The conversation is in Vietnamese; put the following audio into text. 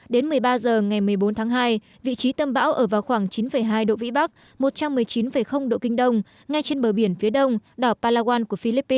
đến một mươi ba h ngày một mươi bốn tháng hai vị trí tâm bão ở vào khoảng chín năm độ vĩ bắc